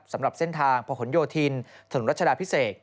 สำหรับเส้นทางประหลโยธินถนนรัชดาพิเศษ